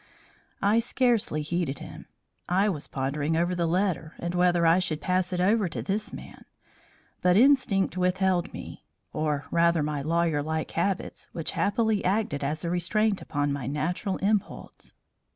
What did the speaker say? I scarcely heeded him. I was pondering over the letter and whether I should pass it over to this man. But instinct withheld me, or rather my lawyer like habits which happily acted as a restraint upon my natural impulse.